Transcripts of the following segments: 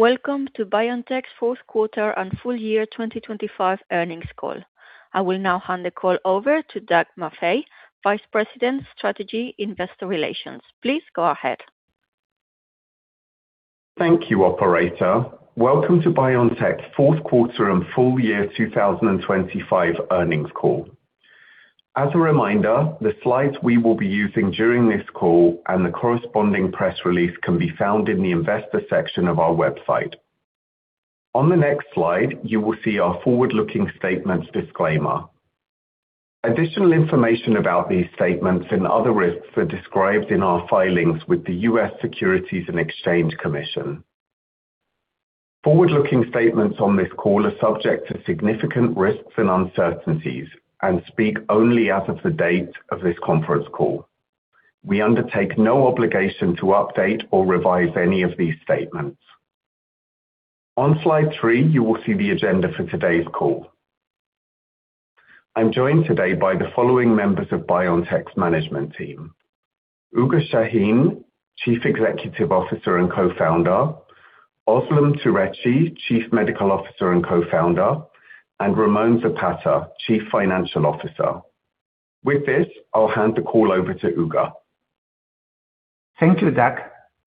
Welcome to BioNTech's fourth quarter and full year 2025 earnings call. I will now hand the call over to Douglas Maffei, Vice President, Strategy and Investor Relations. Please go ahead. Thank you, operator. Welcome to BioNTech's fourth quarter and full year 2025 earnings call. As a reminder, the slides we will be using during this call and the corresponding press release can be found in the investor section of our website. On the next slide, you will see our forward-looking statements disclaimer. Additional information about these statements and other risks are described in our filings with the U.S. Securities and Exchange Commission. Forward-looking statements on this call are subject to significant risks and uncertainties and speak only as of the date of this conference call. We undertake no obligation to update or revise any of these statements. On slide three, you will see the agenda for today's call. I'm joined today by the following members of BioNTech's management team. Ugur Sahin, Chief Executive Officer and Co-Founder, Özlem Türeci, Chief Medical Officer and Co-Founder, and Ramón Zapata, Chief Financial Officer. With this, I'll hand the call over to Ugur. Thank you, Doug,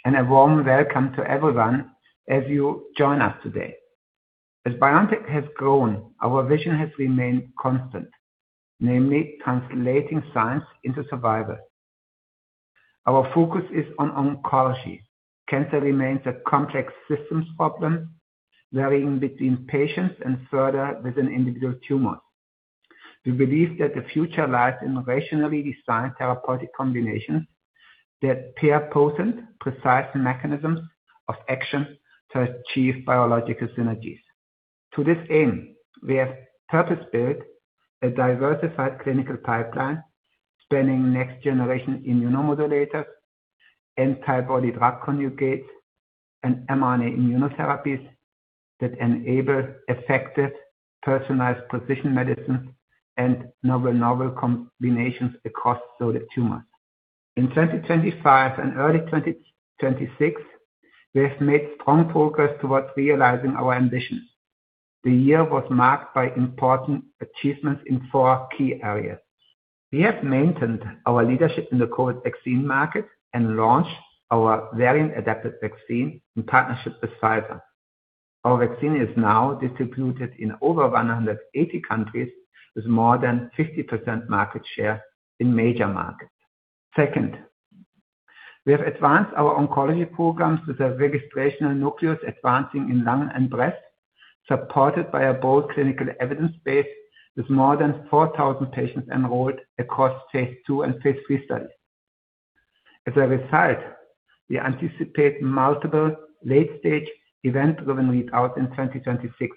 and a warm welcome to everyone as you join us today. As BioNTech has grown, our vision has remained constant, namely translating science into survival. Our focus is on oncology. Cancer remains a complex systems problem, varying between patients and further with an individual tumor. We believe that the future lies in rationally designed therapeutic combinations that pair potent, precise mechanisms of action to achieve biological synergies. To this aim, we have purpose-built a diversified clinical pipeline spanning next generation immunomodulators, antibody drug conjugates, and mRNA immunotherapies that enable effective personalized precision medicine and novel combinations across solid tumors. In 2025 and early 2026, we have made strong progress towards realizing our ambitions. The year was marked by important achievements in four key areas. We have maintained our leadership in the COVID vaccine market and launched our variant-adapted vaccine in partnership with Pfizer. Our vaccine is now distributed in over 180 countries with more than 50% market share in major markets. Second, we have advanced our oncology programs with a registrational nucleus advancing in lung and breast, supported by a bold clinical evidence base, with more than 4,000 patients enrolled across phase II and phase III studies. As a result, we anticipate multiple late-stage event-driven readouts in 2026.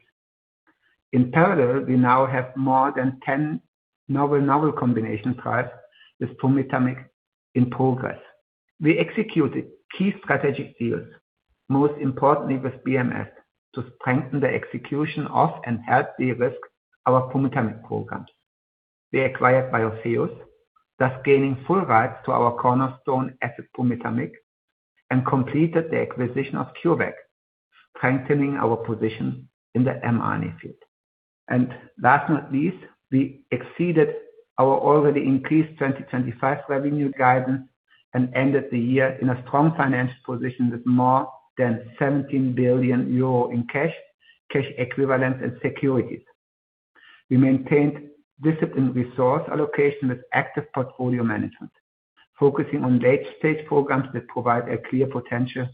In parallel, we now have more than 10 novel combination trials with pumitamig in progress. We executed key strategic deals, most importantly with BMS, to strengthen the execution of and help de-risk our pumitamig programs. We acquired Biotheus, thus gaining full rights to our cornerstone asset, pumitamig, and completed the acquisition of CureVac, strengthening our position in the mRNA field. Last but not least, we exceeded our already increased 2025 revenue guidance and ended the year in a strong financial position with more than 17 billion euro in cash equivalents, and securities. We maintained disciplined resource allocation with active portfolio management, focusing on late-stage programs that provide a clear potential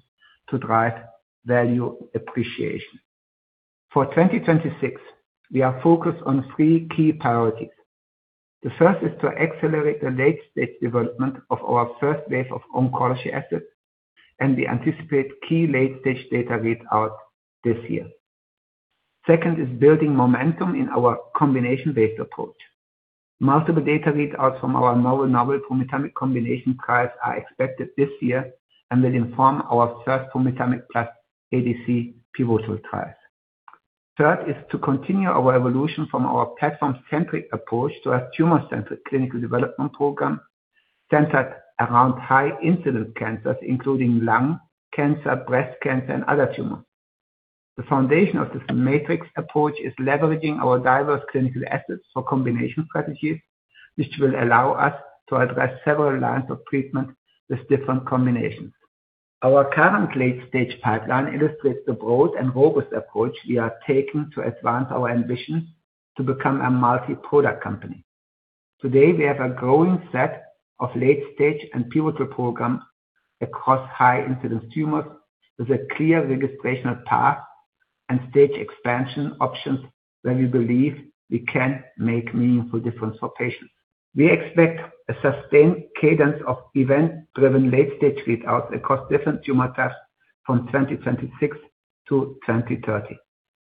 to drive value appreciation. For 2026, we are focused on three key priorities. The first is to accelerate the late-stage development of our first wave of oncology assets, and we anticipate key late-stage data read out this year. Second is building momentum in our combination-based approach. Multiple data readouts from our novel pumitamig combination trials are expected this year and will inform our first pumitamig plus ADC pivotal trials. Third is to continue our evolution from our platform-centric approach to a tumor-centric clinical development program centered around high-incidence cancers, including lung cancer, breast cancer, and other tumors. The foundation of this matrix approach is leveraging our diverse clinical assets for combination strategies, which will allow us to address several lines of treatment with different combinations. Our current late-stage pipeline illustrates the broad and robust approach we are taking to advance our ambitions to become a multi-product company. Today, we have a growing set of late-stage and pivotal programs across high-incidence tumors with a clear registrational path and stage expansion options where we believe we can make meaningful difference for patients. We expect a sustained cadence of event-driven late-stage readouts across different tumor types from 2026 to 2030.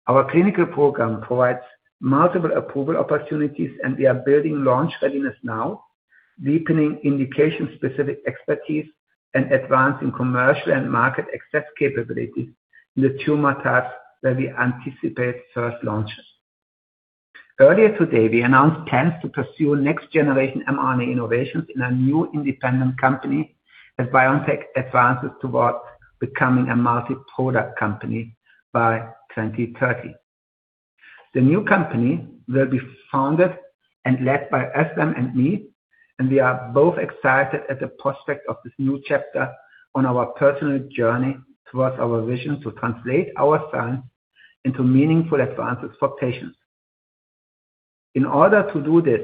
Our clinical program provides multiple approval opportunities, and we are building launch readiness now, deepening indication-specific expertise, and advancing commercial and market access capabilities in the tumor types where we anticipate first launches. Earlier today, we announced plans to pursue next generation mRNA innovations in a new independent company as BioNTech advances towards becoming a multi-product company by 2030. The new company will be founded and led by Özlem and me, and we are both excited at the prospect of this new chapter on our personal journey towards our vision to translate our science into meaningful advances for patients. In order to do this,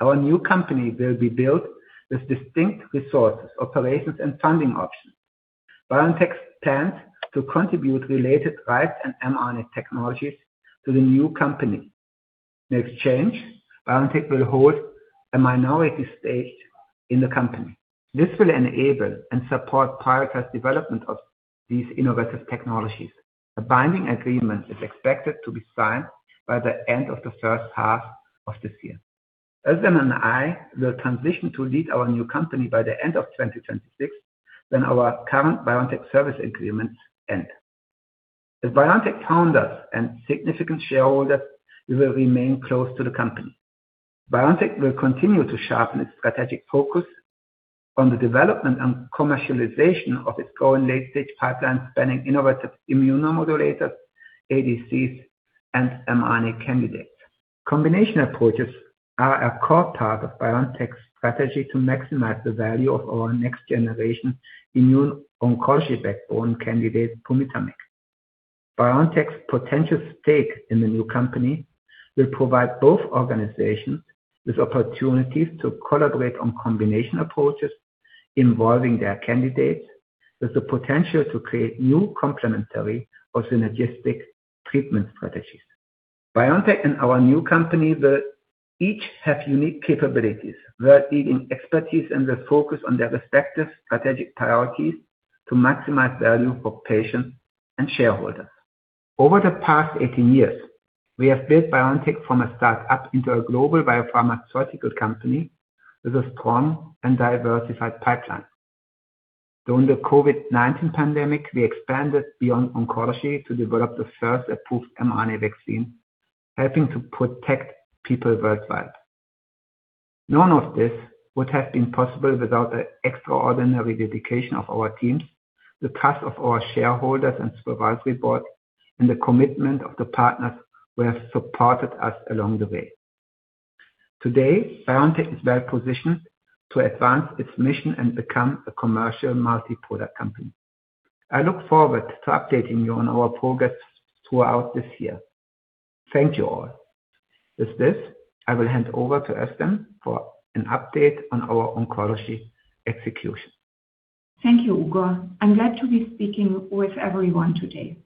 our new company will be built with distinct resources, operations and funding options. BioNTech stands to contribute related rights and mRNA technologies to the new company. In exchange, BioNTech will hold a minority stake in the company. This will enable and support prioritized development of these innovative technologies. A binding agreement is expected to be signed by the end of the first half of this year. Özlem and I will transition to lead our new company by the end of 2026, when our current BioNTech service agreements end. As BioNTech founders and significant shareholders, we will remain close to the company. BioNTech will continue to sharpen its strategic focus on the development and commercialization of its own late-stage pipeline, spanning innovative immunomodulators, ADCs, and mRNA candidates. Combination approaches are a core part of BioNTech's strategy to maximize the value of our next-generation immune-oncology backbone candidate, pumitamig. BioNTech's potential stake in the new company will provide both organizations with opportunities to collaborate on combination approaches involving their candidates, with the potential to create new complementary or synergistic treatment strategies. BioNTech and our new company will each have unique capabilities, leading expertise, and will focus on their respective strategic priorities to maximize value for patients and shareholders. Over the past 18 years, we have built BioNTech from a start-up into a global biopharmaceutical company with a strong and diversified pipeline. During the COVID-19 pandemic, we expanded beyond oncology to develop the first approved mRNA vaccine, helping to protect people worldwide. None of this would have been possible without the extraordinary dedication of our teams, the trust of our shareholders and supervisory board, and the commitment of the partners who have supported us along the way. Today, BioNTech is well positioned to advance its mission and become a commercial multi-product company. I look forward to updating you on our progress throughout this year. Thank you all. With this, I will hand over to Özlem for an update on our oncology execution. Thank you, Ugur. I'm glad to be speaking with everyone today.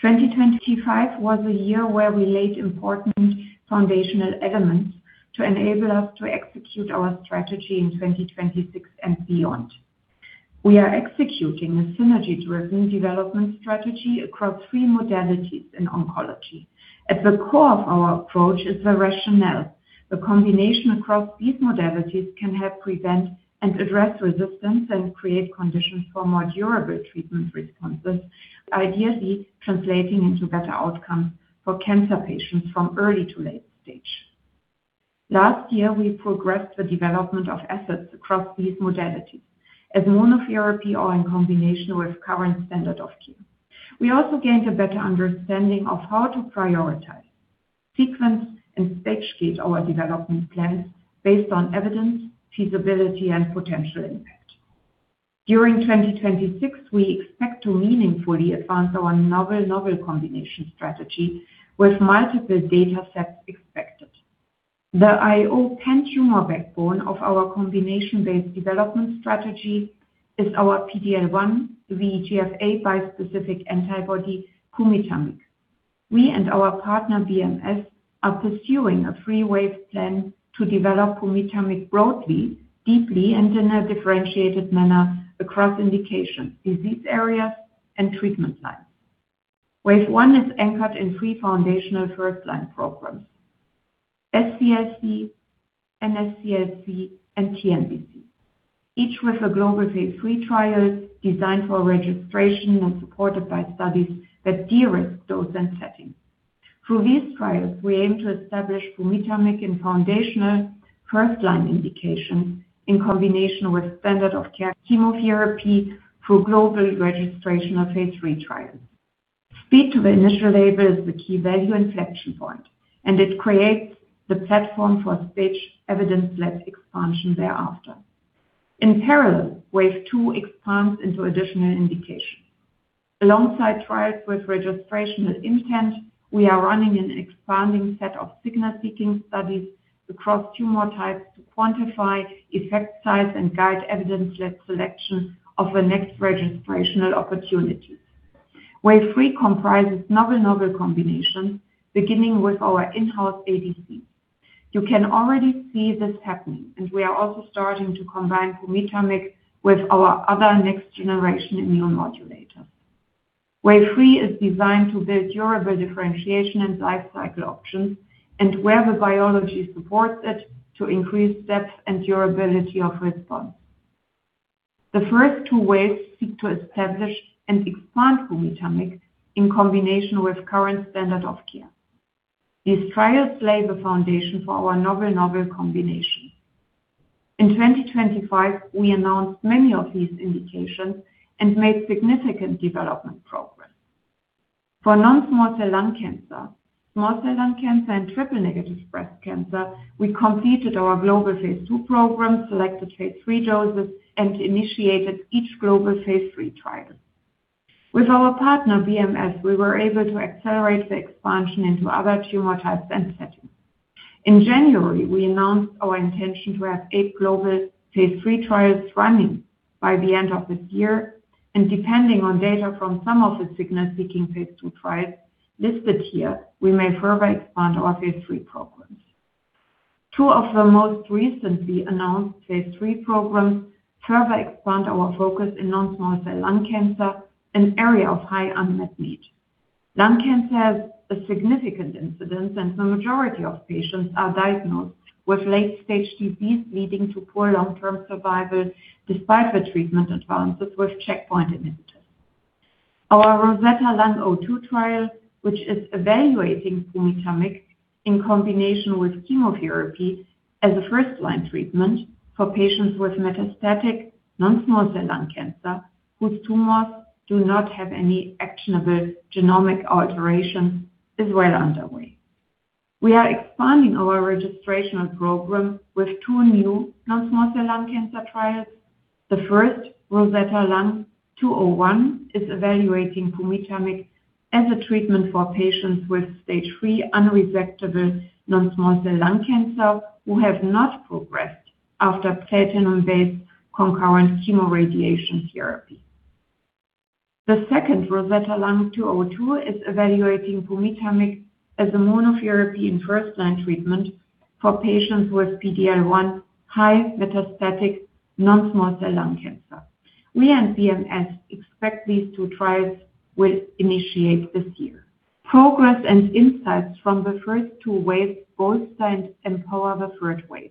2025 was a year where we laid important foundational elements to enable us to execute our strategy in 2026 and beyond. We are executing a synergy-driven development strategy across three modalities in oncology. At the core of our approach is the rationale. The combination across these modalities can help prevent and address resistance and create conditions for more durable treatment responses, ideally translating into better outcomes for cancer patients from early to late stage. Last year, we progressed the development of assets across these modalities as monotherapy or in combination with current standard of care. We also gained a better understanding of how to prioritize, sequence, and stage gate our development plans based on evidence, feasibility, and potential impact. During 2026, we expect to meaningfully advance our novel-novel combination strategy with multiple data sets expected. The IO penetration tumor backbone of our combination-based development strategy is our PDL1 VEGF-A bispecific antibody, pumitamig. We and our partner BMS are pursuing a three-wave plan to develop pumitamig broadly, deeply, and in a differentiated manner across indications, disease areas, and treatment lines. Wave one is anchored in three foundational first line programs, SCLC, NSCLC, and TNBC, each with a global phase III trial designed for registration and supported by studies that de-risk dose and setting. Through these trials, we aim to establish pumitamig in foundational first line indications in combination with standard of care chemotherapy through global registration of phase III trials. Speed to the initial label is the key value inflection point, and it creates the platform for stage evidence-led expansion thereafter. In parallel, wave two expands into additional indications. Alongside trials with registrational intent, we are running an expanding set of signal-seeking studies across tumor types to quantify effect size and guide evidence-led selection of the next registrational opportunities. Wave three comprises novel-novel combinations, beginning with our in-house ADC. You can already see this happening, and we are also starting to combine pumitamig with our other next-generation immunomodulators. Wave three is designed to build durable differentiation and life cycle options, and where the biology supports it, to increase depth and durability of response. The first two waves seek to establish and expand pumitamig in combination with current standard of care. These trials lay the foundation for our novel combination. In 2025, we announced many of these indications and made significant development progress. For non-small cell lung cancer, small cell lung cancer, and triple-negative breast cancer, we completed our global phase II program, selected phase III doses, and initiated each global phase III trial. With our partner, BMS, we were able to accelerate the expansion into other tumor types and settings. In January, we announced our intention to have eight global phase III trials running by the end of this year, and depending on data from some of the signal-seeking phase II trials listed here, we may further expand our phase III programs. Two of the most recently announced phase III programs further expand our focus in non-small cell lung cancer, an area of high unmet need. Lung cancer has a significant incidence, and the majority of patients are diagnosed with late-stage disease leading to poor long-term survival despite the treatment advances with checkpoint inhibitors. Our ROSETTA Lung-02 trial, which is evaluating pumitamig in combination with chemotherapy as a first-line treatment for patients with metastatic non-small cell lung cancer whose tumors do not have any actionable genomic alterations, is well underway. We are expanding our registrational program with two new non-small cell lung cancer trials. The first, ROSETTA Lung-201, is evaluating pumitamig as a treatment for patients with stage 3 unresectable non-small cell lung cancer who have not progressed after platinum-based concurrent chemoradiation therapy. The second, ROSETTA Lung-202, is evaluating pumitamig as a monotherapy in first-line treatment for patients with PDL1-high metastatic non-small cell lung cancer. We and BMS expect these two trials will initiate this year. Progress and insights from the first two waves bolster and empower the third wave.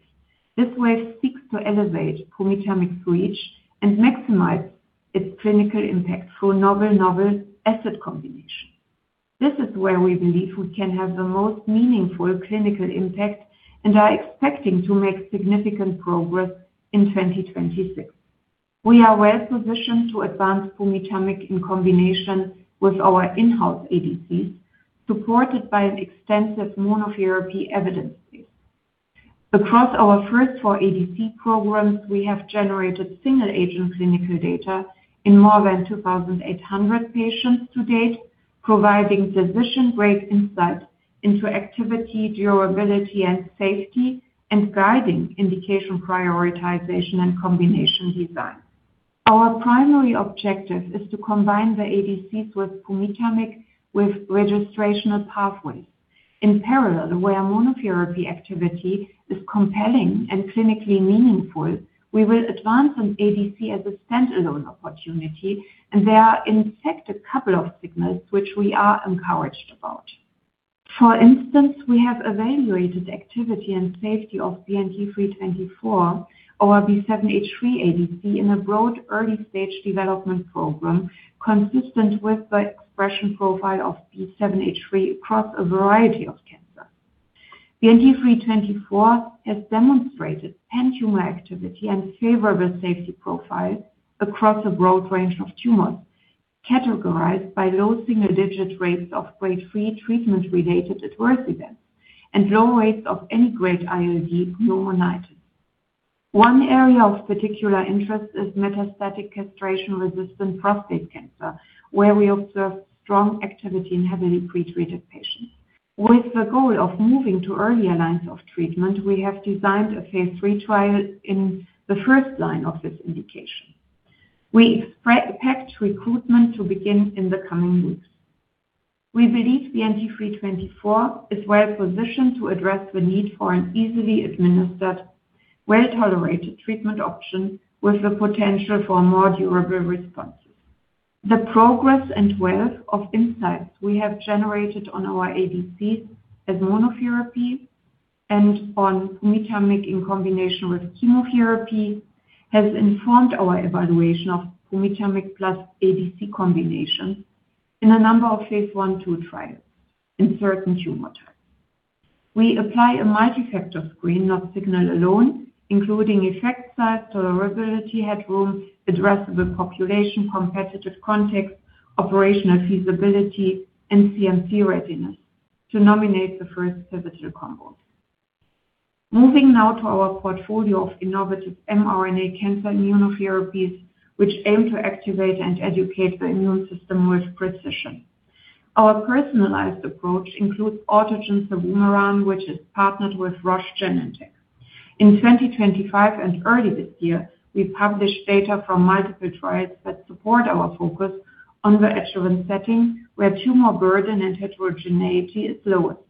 This wave seeks to elevate pumitamig's reach and maximize its clinical impact through novel asset combination. This is where we believe we can have the most meaningful clinical impact and are expecting to make significant progress in 2026. We are well-positioned to advance pumitamig in combination with our in-house ADCs, supported by an extensive monotherapy evidence base. Across our first four ADC programs, we have generated single-agent clinical data in more than 2,800 patients to date, providing physician-grade insights into activity, durability, and safety, and guiding indication prioritization and combination design. Our primary objective is to combine the ADCs with pumitamig with registrational pathways. In parallel, where monotherapy activity is compelling and clinically meaningful, we will advance an ADC as a standalone opportunity, and there are in fact a couple of signals which we are encouraged about. For instance, we have evaluated activity and safety of BNT324 or B7-H3 ADC in a broad early-stage development program consistent with the expression profile of B7-H3 across a variety of cancers. BNT324 has demonstrated pan-tumor activity and favorable safety profile across a broad range of tumors, categorized by low single-digit rates of Grade 3 treatment-related adverse events and low rates of any grade ILD pneumonitis. One area of particular interest is metastatic castration-resistant prostate cancer, where we observe strong activity in heavily pretreated patients. With the goal of moving to earlier lines of treatment, we have designed a phase III trial in the first line of this indication. We expect recruitment to begin in the coming weeks. We believe BNT324 is well-positioned to address the need for an easily administered, well-tolerated treatment option with the potential for more durable responses. The progress and wealth of insights we have generated on our ADCs as monotherapy and on pumitamig in combination with chemotherapy has informed our evaluation of pumitamig plus ADC combination in a number of phase I, II trials in certain tumor types. We apply a multifactor screen, not signal alone, including effect size, tolerability, headroom, addressable population, competitive context, operational feasibility, and CMC readiness to nominate the first pivotal combos. Moving now to our portfolio of innovative mRNA cancer immunotherapies, which aim to activate and educate the immune system with precision. Our personalized approach includes autogene cevumeran, which is partnered with Roche Genentech. In 2025 and early this year, we published data from multiple trials that support our focus on the adjuvant setting where tumor burden and heterogeneity is lowest.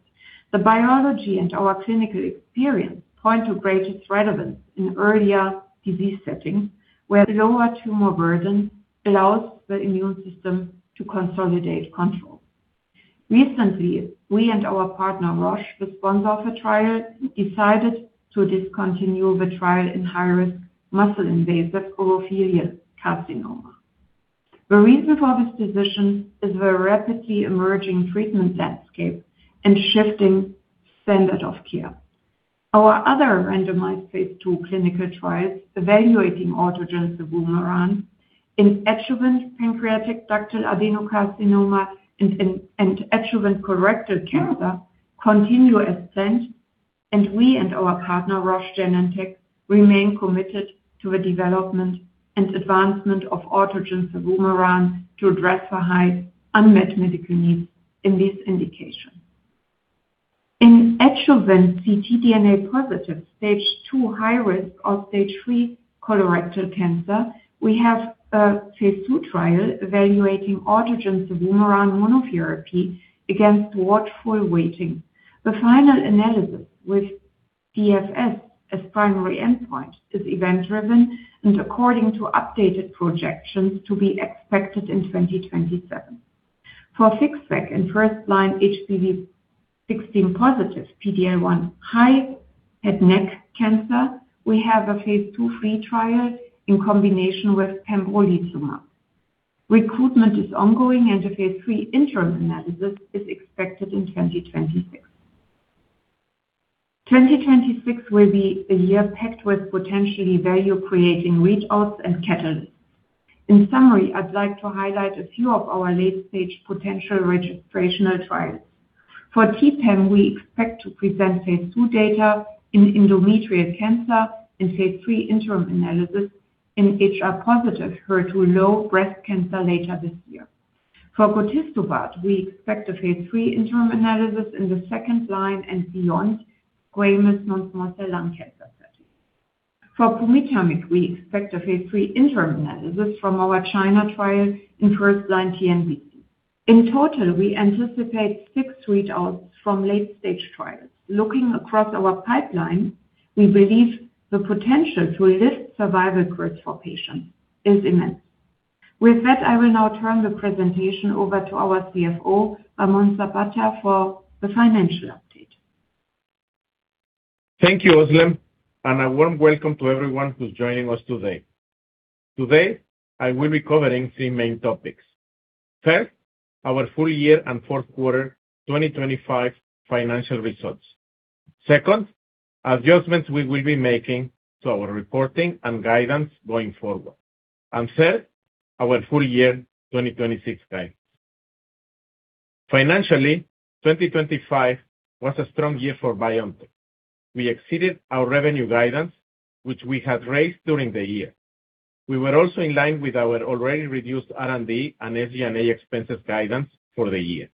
The biology and our clinical experience point to greatest relevance in earlier disease settings where lower tumor burden allows the immune system to consolidate control. Recently, we and our partner, Roche, the sponsor of the trial, decided to discontinue the trial in high-risk muscle-invasive urothelial carcinoma. The reason for this decision is the rapidly emerging treatment landscape and shifting standard of care. Our other randomized phase II clinical trials evaluating autogene cevumeran in adjuvant pancreatic ductal adenocarcinoma and adjuvant colorectal cancer continue as planned, and we and our partner, Roche Genentech, remain committed to the development and advancement of autogene cevumeran to address the high unmet medical needs in this indication. In adjuvant ctDNA-positive stage 2 high-risk or stage 3 colorectal cancer, we have a phase II trial evaluating autogene cevumeran monotherapy against watchful waiting. The final analysis with DFS as primary endpoint is event-driven and according to updated projections to be expected in 2027. For FixVac in first-line HPV 16-positive PD-L1-high head and neck cancer, we have a phase II/III trial in combination with pembrolizumab. Recruitment is ongoing and a phase III interim analysis is expected in 2026. 2026 will be a year packed with potentially value-creating readouts and catalysts. In summary, I'd like to highlight a few of our late-stage potential registrational trials. For T-Pam, we expect to present phase II data in endometrial cancer and phase III interim analysis in HR-positive HER2-low breast cancer later this year. For gotistobart, we expect a phase III interim analysis in the second-line and beyond squamous non-small cell lung cancer setting. For pumitamig, we expect a phase III interim analysis from our China trial in first-line TNBC. In total, we anticipate 6 readouts from late-stage trials. Looking across our pipeline, we believe the potential to lift survival curves for patients is immense. With that, I will now turn the presentation over to our CFO, Ramón Zapata, for the financial update. Thank you, Özlem, and a warm welcome to everyone who's joining us today. Today, I will be covering three main topics. First, our full year and fourth quarter 2025 financial results. Second, adjustments we will be making to our reporting and guidance going forward. Third, our full year 2026 guidance. Financially, 2025 was a strong year for BioNTech. We exceeded our revenue guidance, which we had raised during the year. We were also in line with our already reduced R&D and SG&A expenses guidance for the year.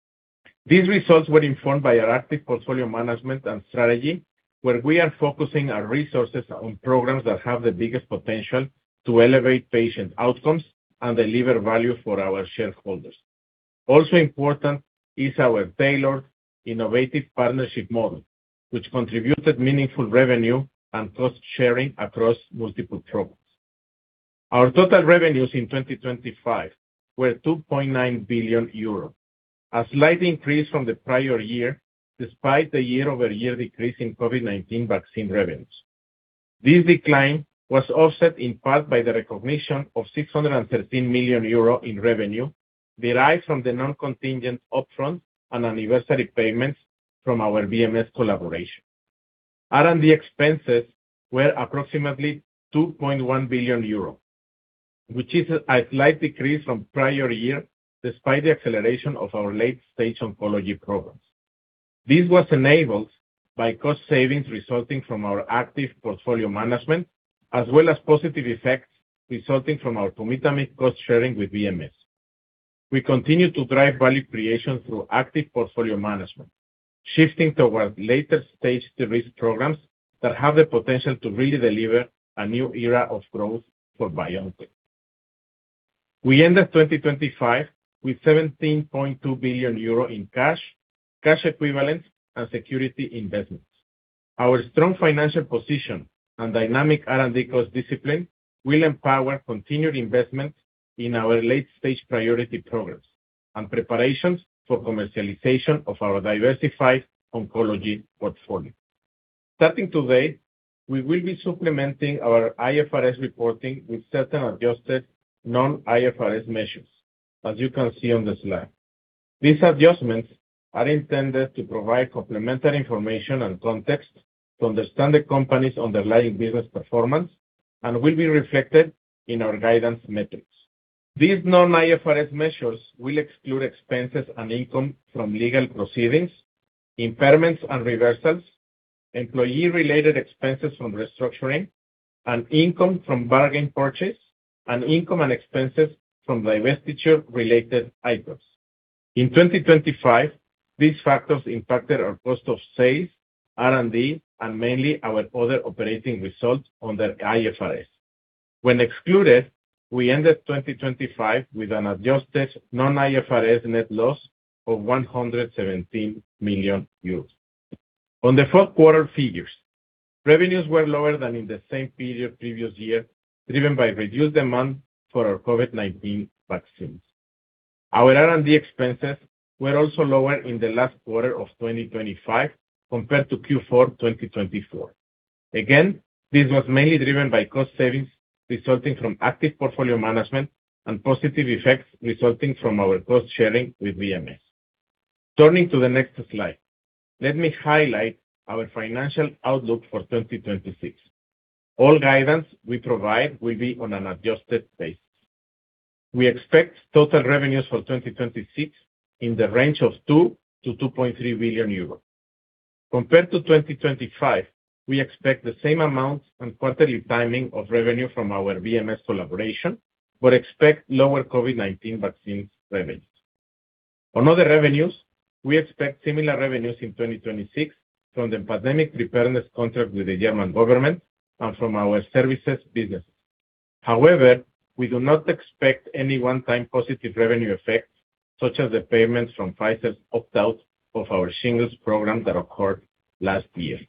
These results were informed by our active portfolio management and strategy, where we are focusing our resources on programs that have the biggest potential to elevate patient outcomes and deliver value for our shareholders. Also important is our tailored innovative partnership model, which contributed meaningful revenue and cost-sharing across multiple programs. Our total revenues in 2025 were 2.9 billion euros, a slight increase from the prior year, despite the year-over-year decrease in COVID-19 vaccine revenues. This decline was offset in part by the recognition of 613 million euro in revenue derived from the non-contingent upfront and anniversary payments from our BMS collaboration. R&D expenses were approximately 2.1 billion euros, which is a slight decrease from prior year despite the acceleration of our late-stage oncology programs. This was enabled by cost savings resulting from our active portfolio management, as well as positive effects resulting from our pumitamig cost-sharing with BMS. We continue to drive value creation through active portfolio management, shifting towards later-stage-derived programs that have the potential to really deliver a new era of growth for BioNTech. We ended 2025 with 17.2 billion euro in cash equivalents, and security investments. Our strong financial position and dynamic R&D cost discipline will empower continued investments in our late-stage priority programs and preparations for commercialization of our diversified oncology portfolio. Starting today, we will be supplementing our IFRS reporting with certain adjusted non-IFRS measures, as you can see on the slide. These adjustments are intended to provide complementary information and context to understand the company's underlying business performance and will be reflected in our guidance metrics. These non-IFRS measures will exclude expenses and income from legal proceedings, impairments and reversals, employee-related expenses from restructuring, and income from bargain purchase, and income and expenses from divestiture-related IPOs. In 2025, these factors impacted our cost of sales, R&D, and mainly our other operating results under IFRS. When excluded, we ended 2025 with an adjusted non-IFRS net loss of 117 million euros. On the fourth quarter figures, revenues were lower than in the same period previous year, driven by reduced demand for our COVID-19 vaccines. Our R&D expenses were also lower in the last quarter of 2025 compared to Q4 2024. Again, this was mainly driven by cost savings resulting from active portfolio management and positive effects resulting from our cost-sharing with BMS. Turning to the next slide, let me highlight our financial outlook for 2026. All guidance we provide will be on an adjusted basis. We expect total revenues for 2026 in the range of 2 billion-2.3 billion euros. Compared to 2025, we expect the same amount and quarterly timing of revenue from our BMS collaboration, but expect lower COVID-19 vaccines revenues. On other revenues, we expect similar revenues in 2026 from the pandemic preparedness contract with the German government and from our services business. However, we do not expect any one-time positive revenue effect, such as the payments from Pfizer's opt-out of our Shingles program that occurred last year.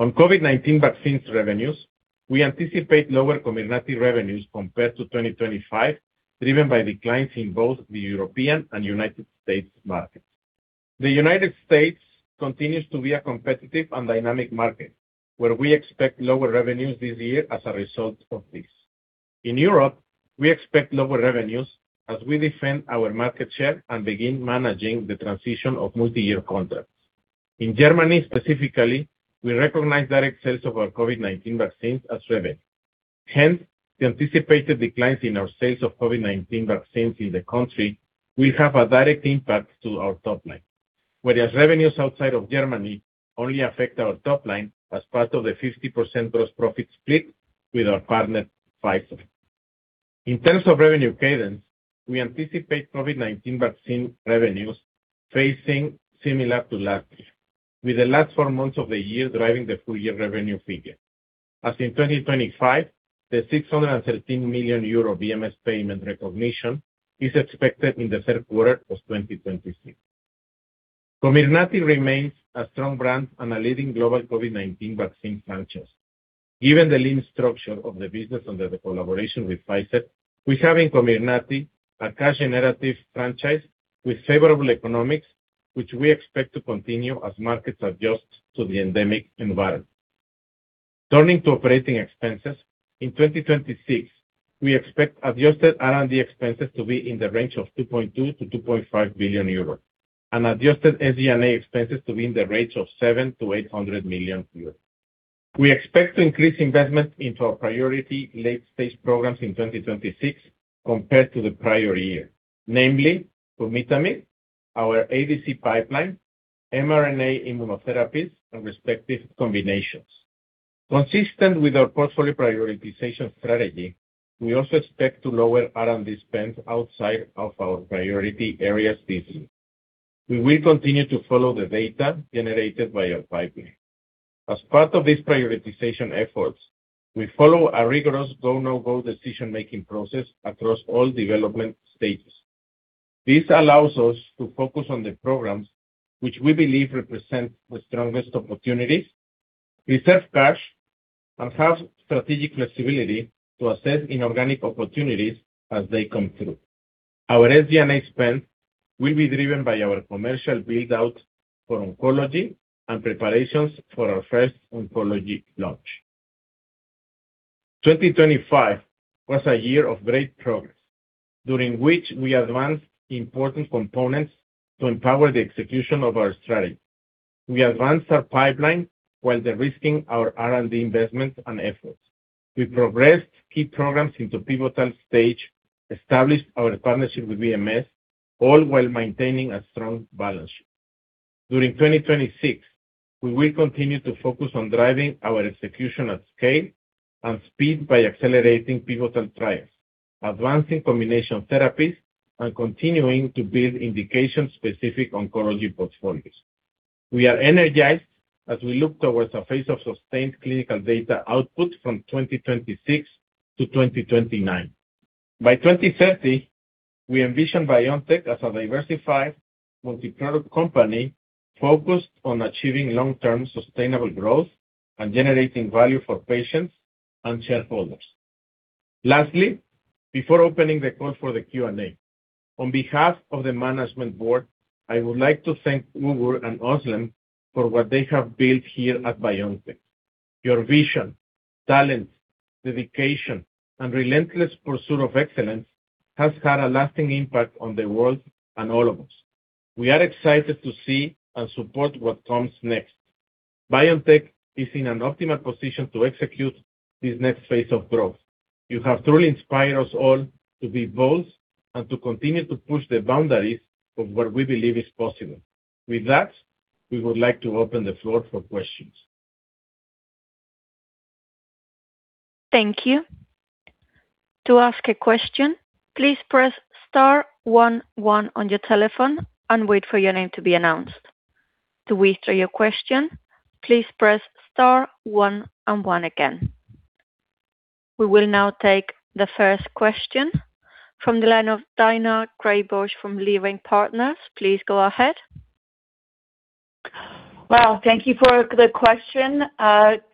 On COVID-19 vaccines revenues, we anticipate lower COMIRNATY revenues compared to 2025, driven by declines in both the European and United States markets. The United States continues to be a competitive and dynamic market, where we expect lower revenues this year as a result of this. In Europe, we expect lower revenues as we defend our market share and begin managing the transition of multi-year contracts. In Germany specifically, we recognize direct sales of our COVID-19 vaccines as revenue. Hence, the anticipated declines in our sales of COVID-19 vaccines in the country will have a direct impact to our top line. Whereas revenues outside of Germany only affect our top line as part of the 50% gross profit split with our partner, Pfizer. In terms of revenue cadence, we anticipate COVID-19 vaccine revenues phasing similar to last year, with the last four months of the year driving the full year revenue figure. As in 2025, the 613 million euro BMS payment recognition is expected in the third quarter of 2026. COMIRNATY remains a strong brand and a leading global COVID-19 vaccine franchise. Given the lean structure of the business under the collaboration with Pfizer, we have in COMIRNATY a cash generative franchise with favorable economics, which we expect to continue as markets adjust to the endemic environment. Turning to operating expenses, in 2026, we expect adjusted R&D expenses to be in the range of 2.2 billion-2.5 billion euros and adjusted SG&A expenses to be in the range of 700 million-800 million euros. We expect to increase investment into our priority late-stage programs in 2026 compared to the prior year, namely pumitamig, our ADC pipeline, mRNA immunotherapies, and respective combinations. Consistent with our portfolio prioritization strategy, we also expect to lower R&D spend outside of our priority areas this year. We will continue to follow the data generated by our pipeline. As part of these prioritization efforts, we follow a rigorous go/no-go decision-making process across all development stages. This allows us to focus on the programs which we believe represent the strongest opportunities, preserve cash, and have strategic flexibility to assess inorganic opportunities as they come through. Our SG&A spend will be driven by our commercial build-out for oncology and preparations for our first oncology launch. 2025 was a year of great progress during which we advanced important components to empower the execution of our strategy. We advanced our pipeline while de-risking our R&D investments and efforts. We progressed key programs into pivotal stage, established our partnership with BMS, all while maintaining a strong balance sheet. During 2026, we will continue to focus on driving our execution at scale and speed by accelerating pivotal trials, advancing combination therapies, and continuing to build indication-specific oncology portfolios. We are energized as we look towards a phase of sustained clinical data output from 2026 to 2029. By 2030, we envision BioNTech as a diversified multi-product company focused on achieving long-term sustainable growth and generating value for patients and shareholders. Lastly, before opening the call for the Q&A, on behalf of the management board, I would like to thank Uğur and Özlem for what they have built here at BioNTech. Your vision, talent, dedication, and relentless pursuit of excellence has had a lasting impact on the world and all of us. We are excited to see and support what comes next. BioNTech is in an optimal position to execute this next phase of growth. You have truly inspired us all to be bold and to continue to push the boundaries of what we believe is possible. With that, we would like to open the floor for questions. Thank you. To ask a question, please press star one one on your telephone and wait for your name to be announced. To withdraw your question, please press star one and one again. We will now take the first question from the line of Daina Graybosch from Leerink Partners. Please go ahead. Well, thank you for the question.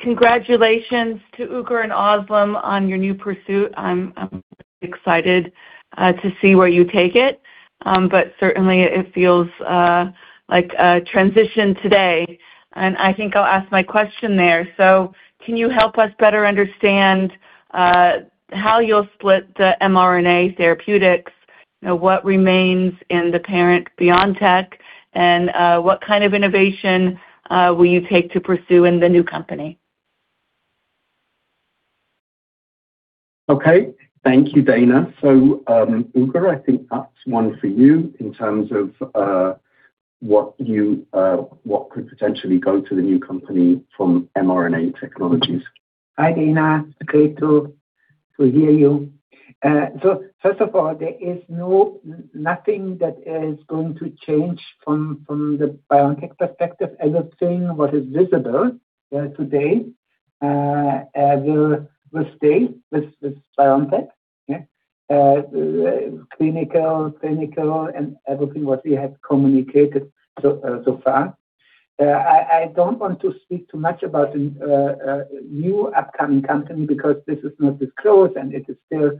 Congratulations to Ugur and Özlem on your new pursuit. I'm excited to see where you take it. Certainly it feels like a transition today, and I think I'll ask my question there. Can you help us better understand how you'll split the mRNA therapeutics? What remains in the parent BioNTech, and what kind of innovation will you take to pursue in the new company? Okay. Thank you, Daina. Ugur, I think that's one for you in terms of what could potentially go to the new company from mRNA technologies. Hi, Daina. Great to hear you. First of all, there is nothing that is going to change from the BioNTech perspective. Everything that is visible today will stay with BioNTech. Yeah. Clinical and everything what we have communicated so far. I don't want to speak too much about the new upcoming company because this is not disclosed, and it is still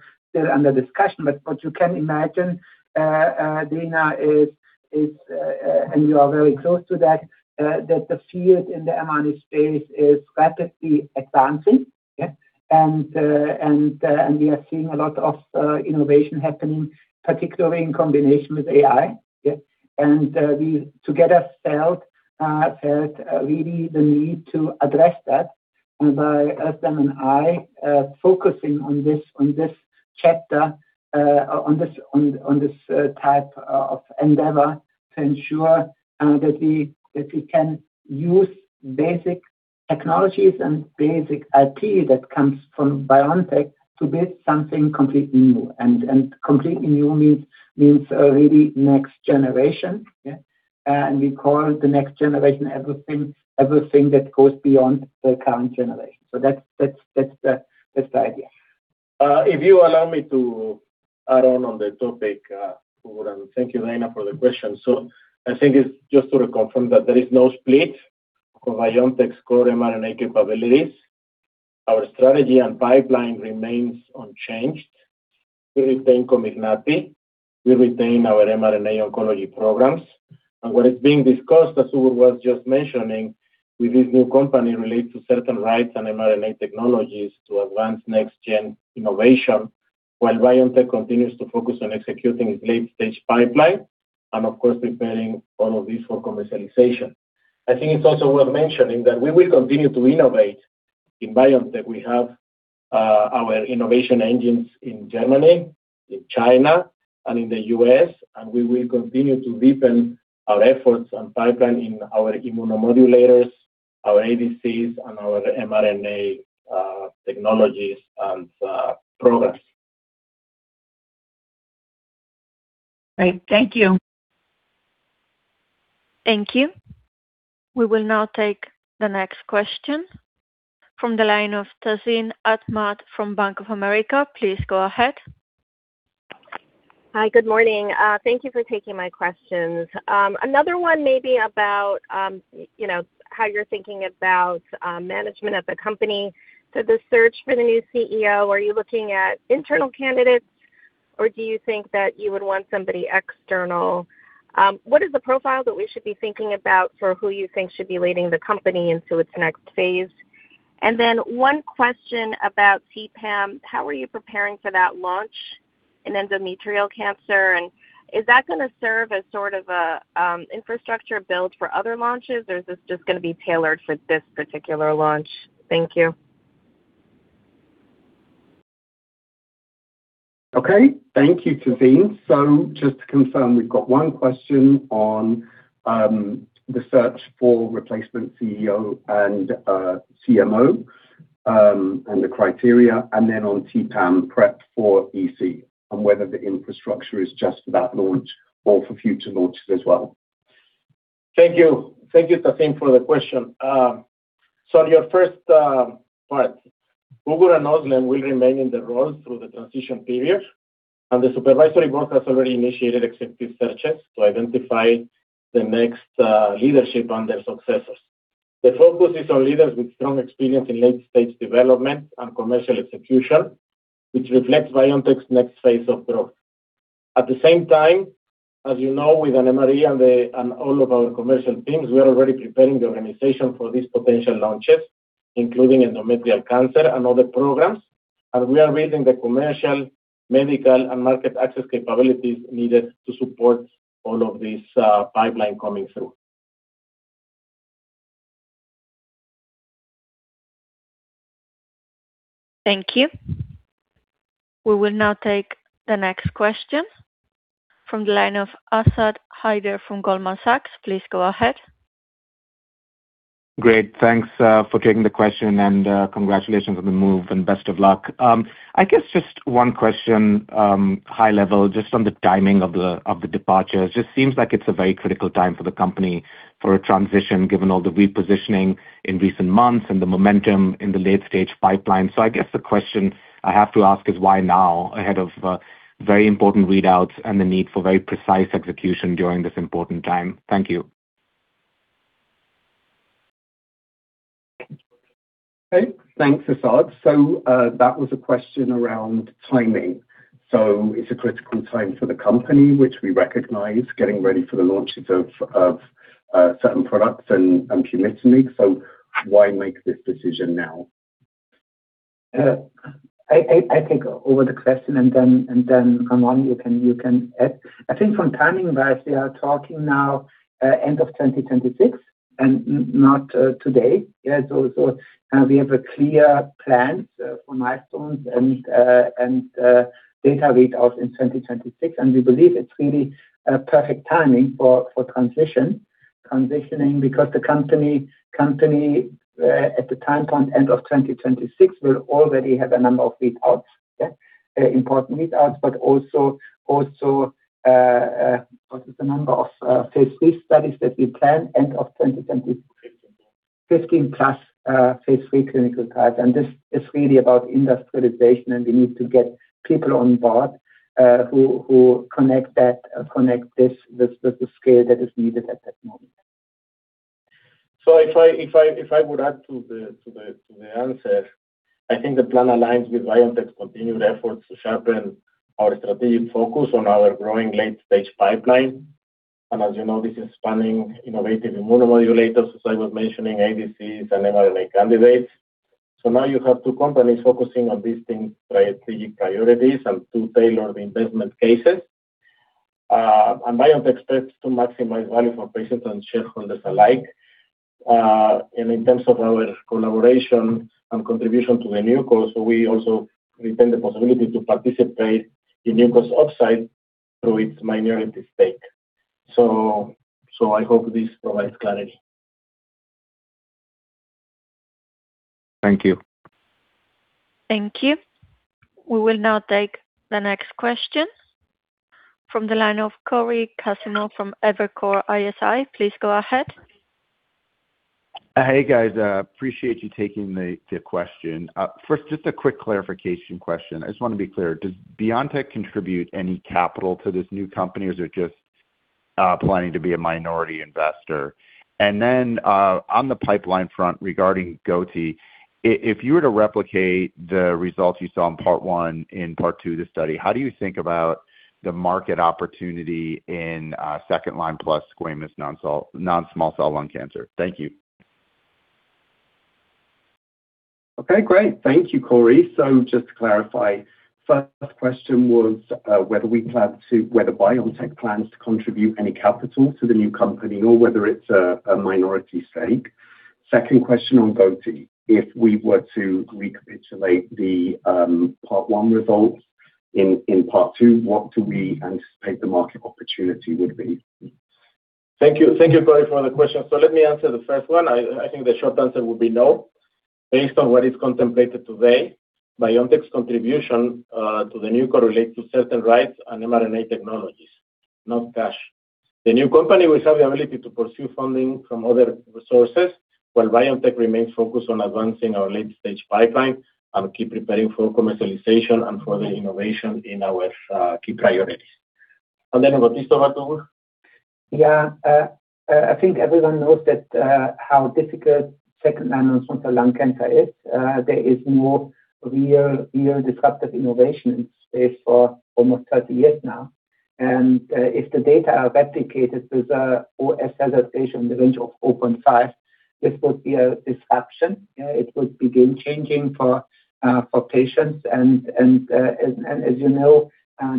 under discussion. What you can imagine, Daina is and you are very close to that the field in the mRNA space is rapidly advancing. Yeah. We are seeing a lot of innovation happening, particularly in combination with AI. Yeah. We together felt really the need to address that. By Özlem and I, focusing on this chapter, on this type of endeavor to ensure that we can use basic technologies and basic IT that comes from BioNTech to build something completely new. Completely new means really next generation. Yeah. We call the next generation everything that goes beyond the current generation. That's the idea. If you allow me to add on the topic, Ugur, and thank you, Daina, for the question. I think it's just to reconfirm that there is no split of BioNTech's core mRNA capabilities. Our strategy and pipeline remains unchanged. We retain COMIRNATY. We retain our mRNA oncology programs. What is being discussed, as Ugur was just mentioning, with this new company relates to certain rights and mRNA technologies to advance next gen innovation while BioNTech continues to focus on executing its late-stage pipeline and, of course, preparing all of this for commercialization. I think it's also worth mentioning that we will continue to innovate in BioNTech. We have our innovation engines in Germany, in China, and in the U.S., and we will continue to deepen our efforts and pipeline in our immunomodulators, our ADCs and our mRNA technologies and progress. Great. Thank you. Thank you. We will now take the next question from the line of Tazeen Ahmad from Bank of America. Please go ahead. Hi. Good morning. Thank you for taking my questions. Another one may be about, you know, how you're thinking about, management of the company. The search for the new CEO, are you looking at internal candidates, or do you think that you would want somebody external? What is the profile that we should be thinking about for who you think should be leading the company into its next phase? One question about T-Pam. How are you preparing for that launch in endometrial cancer, and is that gonna serve as sort of a, infrastructure build for other launches, or is this just gonna be tailored for this particular launch? Thank you. Okay. Thank you, Tazeen. Just to confirm, we've got one question on the search for replacement CEO and CMO, and the criteria and then on T-Pam prep for EC and whether the infrastructure is just for that launch or for future launches as well. Thank you. Thank you, Tazeen, for the question. On your first part, Ugur and Özlem will remain in their roles through the transition period, and the supervisory board has already initiated executive searches to identify the next leadership and their successors. The focus is on leaders with strong experience in late-stage development and commercial execution, which reflects BioNTech's next phase of growth. At the same time, as you know, with Anne-Marie and all of our commercial teams, we are already preparing the organization for these potential launches, including endometrial cancer and other programs, and we are building the commercial, medical, and market access capabilities needed to support all of these pipeline coming through. Thank you. We will now take the next question from the line of Asad Haider from Goldman Sachs. Please go ahead. Great. Thanks for taking the question and congratulations on the move and best of luck. I guess just one question, high level, just on the timing of the departure. It seems like it's a very critical time for the company for a transition, given all the repositioning in recent months and the momentum in the late-stage pipeline. I guess the question I have to ask is why now ahead of very important readouts and the need for very precise execution during this important time? Thank you. Thanks, Asad. That was a question around timing. It's a critical time for the company, which we recognize getting ready for the launches of certain products and pumitamig. Why make this decision now? I take over the question and then, Ramón, you can add. I think from timing-wise, we are talking now end of 2026 and not today. Yeah. We have a clear plan for milestones and data read out in 2026, and we believe it's really a perfect timing for transitioning because the company at the time point end of 2026 will already have a number of readouts. Yeah. Important readouts, but also what is the number of phase III studies that we plan end of 2026? 15+ phase III clinical trials. This is really about industrialization, and we need to get people on board who connect this with the scale that is needed at that moment. If I would add to the answer, I think the plan aligns with BioNTech's continued efforts to sharpen our strategic focus on our growing late-stage pipeline. As you know, this is spanning innovative immunomodulators, as I was mentioning, ADCs and mRNA candidates. Now you have two companies focusing on these things, right, strategic priorities and to tailor the investment cases. BioNTech expects to maximize value for patients and shareholders alike. In terms of our collaboration and contribution to the NewCo, we also retain the possibility to participate in NewCo upside through its minority stake. I hope this provides clarity. Thank you. Thank you. We will now take the next question from the line of Cory Kasimov from Evercore ISI. Please go ahead. Hey, guys. Appreciate you taking the question. First, just a quick clarification question. I just want to be clear. Does BioNTech contribute any capital to this new company, or is it just planning to be a minority investor? On the pipeline front regarding goti, if you were to replicate the results you saw in part one in part two of the study, how do you think about the market opportunity in second line plus squamous non-small cell lung cancer? Thank you. Okay, great. Thank you, Cory. Just to clarify, first question was whether BioNTech plans to contribute any capital to the new company or whether it's a minority stake. Second question on goti, if we were to recapitulate the part one results in part two, what do we anticipate the market opportunity would be? Thank you. Thank you, Cory, for the question. Let me answer the first one. I think the short answer would be no. Based on what is contemplated today, BioNTech's contribution to the NewCo related to certain rights and mRNA technologies, not cash. The new company will have the ability to pursue funding from other resources while BioNTech remains focused on advancing our late-stage pipeline and keep preparing for commercialization and further innovation in our key priorities. And then goti part two. Yeah. I think everyone knows that how difficult second non-small cell lung cancer is. There is more real disruptive innovation in space for almost 30 years now. If the data are replicated with a OS hazard ratio in the range of 0.5, this would be a disruption. It would begin changing for patients. As you know,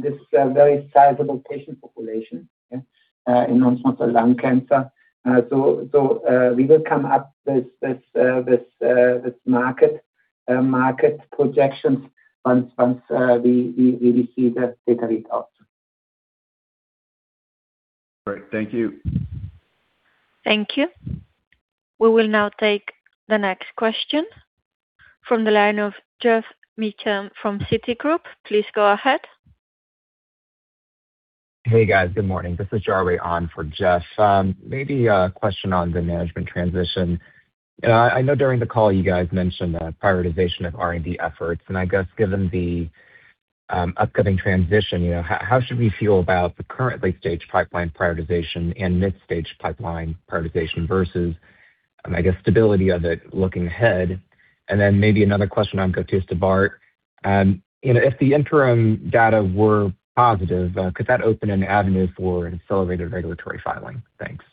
this is a very sizable patient population in non-small cell lung cancer. We will come up with market projections once we receive the data results. All right. Thank you. Thank you. We will now take the next question from the line of Geoff Meacham from Citigroup. Please go ahead. Hey, guys. Good morning. This is Jarrod on for Geoff. Maybe a question on the management transition. I know during the call you guys mentioned prioritization of R&D efforts, and I guess given the upcoming transition, you know, how should we feel about the current late-stage pipeline prioritization and mid-stage pipeline prioritization versus, I guess, stability of it looking ahead? And then maybe another question on gotistobart. You know, if the interim data were positive, could that open an avenue for an accelerated regulatory filing? Thanks.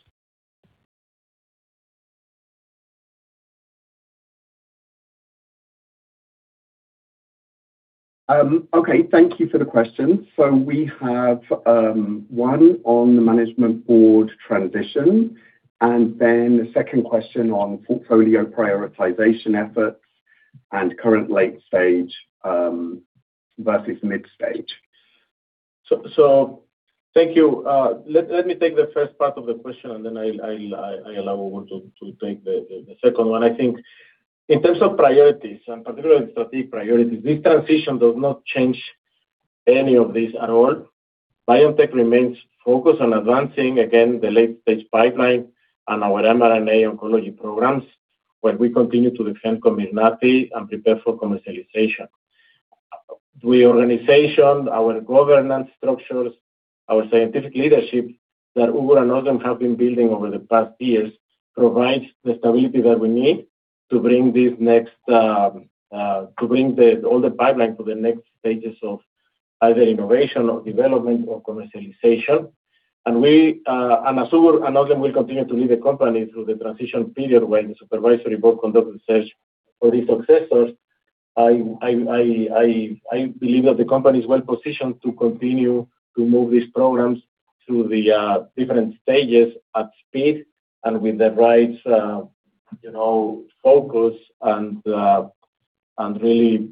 Thank you for the question. We have one on the management board transition, and then the second question on portfolio prioritization efforts and current late stage versus mid stage. Thank you. Let me take the first part of the question, and then I'll allow Ugur to take the second one. I think in terms of priorities, and particularly strategic priorities, this transition does not change any of this at all. BioNTech remains focused on advancing, again, the late-stage pipeline and our mRNA oncology programs, where we continue to defend COMIRNATY and prepare for commercialization. The organization, our governance structures, our scientific leadership that Ugur and Özlem have been building over the past years provides the stability that we need to bring all the pipeline to the next stages of either innovation or development or commercialization. As Ugur and Özlem will continue to lead the company through the transition period when the supervisory board conducts a search for the successors, I believe that the company is well-positioned to continue to move these programs through the different stages at speed and with the right, you know, focus and really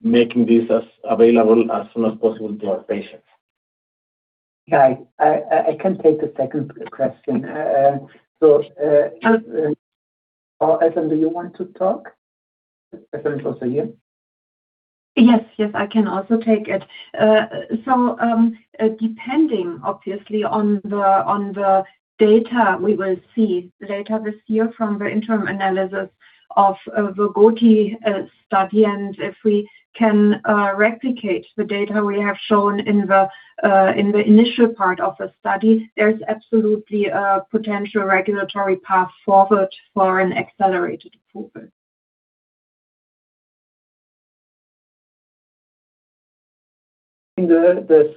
making this as available as soon as possible to our patients. Yeah. I can take the second question. Um- Oh, Özlem, do you want to talk? Özlem, it's also you. Yes, yes, I can also take it. Depending obviously on the data we will see later this year from the interim analysis of the GOTI study. If we can replicate the data we have shown in the initial part of the study, there's absolutely a potential regulatory path forward for an accelerated approval. In the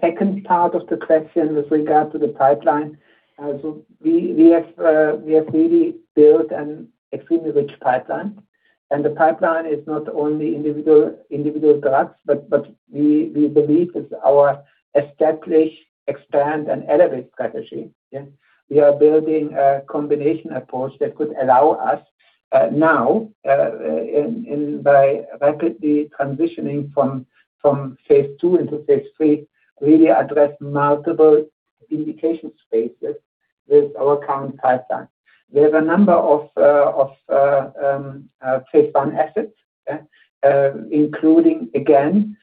second part of the question with regard to the pipeline, we have really built an extremely rich pipeline. The pipeline is not only individual drugs, but we believe it's our establish, expand, and elevate strategy. Yeah. We are building a combination approach that could allow us now, and by rapidly transitioning from phase II into phase III, really address multiple indication spaces with our current pipeline. We have a number of phase I assets, including again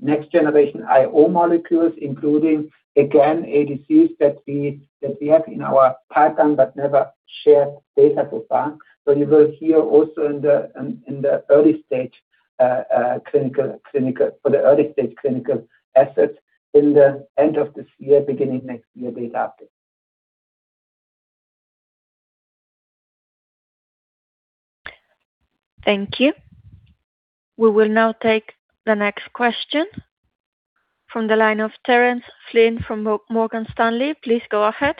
next generation IO molecules, including again ADCs that we have in our pipeline but never shared data so far. You will hear also in the early stage clinical. For the early-stage clinical assets at the end of this year, beginning next year data. Thank you. We will now take the next question from the line of Terence Flynn from Morgan Stanley. Please go ahead.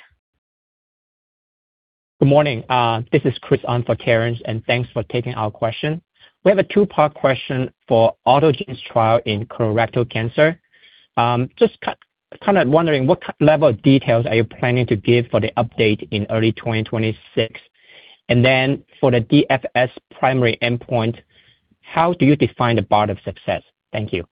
Good morning. This is Chris on for Terence, and thanks for taking our question. We have a two-part question for autogene cevumeran's trial in colorectal cancer. Just kind of wondering what level of details are you planning to give for the update in early 2026? And then for the DFS primary endpoint, how do you define the bar of success? Thank you.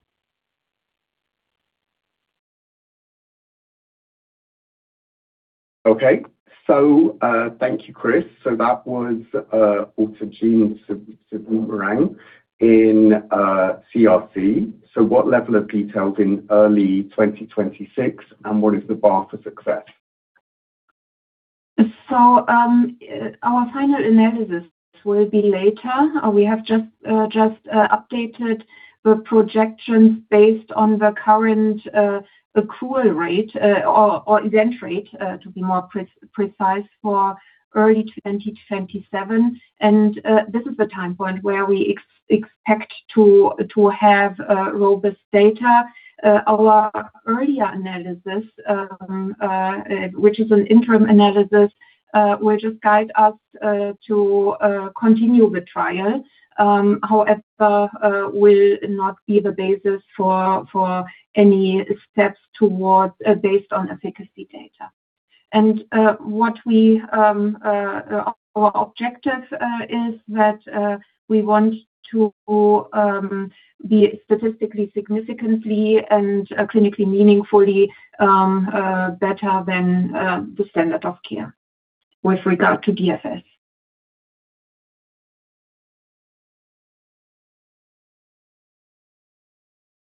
Okay. Thank you, Chris. That was autogene cevumeran in CRC. What level of details in early 2026, and what is the bar for success? Our final analysis will be later. We have just updated the projections based on the current accrual rate or event rate to be more precise for early 2027. This is the time point where we expect to have robust data. Our earlier analysis, which is an interim analysis, will just guide us to continue the trial, however, will not be the basis for any steps towards based on efficacy data. What our objective is that we want to be statistically significantly and clinically meaningfully better than the standard of care with regard to DFS.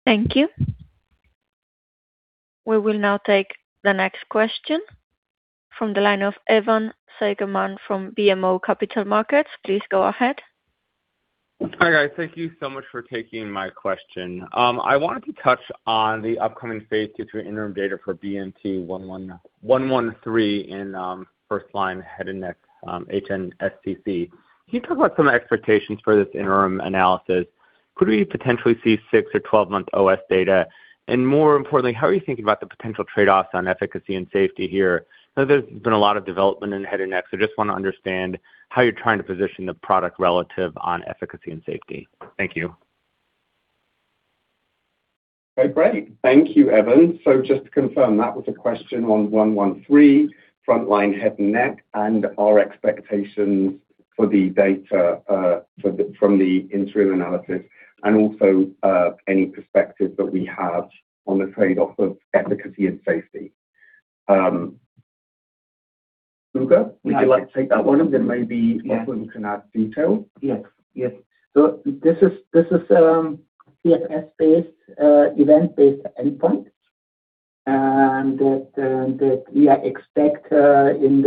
Thank you. We will now take the next question from the line of Evan Seigerman from BMO Capital Markets. Please go ahead. Hi, guys. Thank you so much for taking my question. I wanted to touch on the upcoming phase II interim data for BNT113 in first-line head and neck HNSCC. Can you talk about some expectations for this interim analysis? Could we potentially see six- or 12-month OS data? More importantly, how are you thinking about the potential trade-offs on efficacy and safety here? I know there's been a lot of development in head and neck, so just want to understand how you're trying to position the product relative on efficacy and safety. Thank you. Okay, great. Thank you, Evan. Just to confirm, that was a question on BNT113 frontline head and neck and our expectations for the data from the interim analysis and also any perspective that we have on the trade-off of efficacy and safety. Ugur, would you like to take that one and then maybe Özlem can add detail? Yes. This is PFS-based event-based endpoint, and that we expect in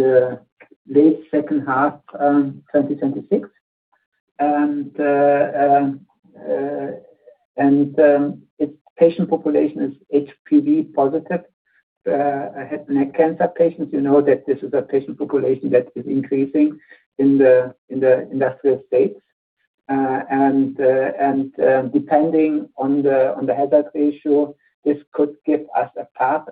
the late second half 2026. Its patient population is HPV positive head and neck cancer patients. You know that this is a patient population that is increasing in the industrialized states. Depending on the hazard ratio, this could give us a path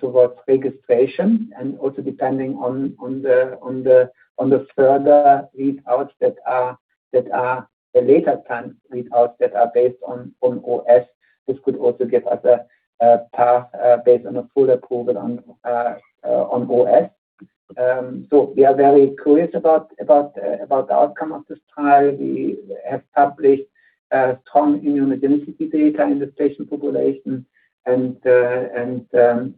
towards registration. Also depending on the further readouts that are the later time readouts that are based on OS. This could also give us a path based on a full approval on OS. We are very curious about the outcome of this trial. We have published strong immunogenicity data in this patient population and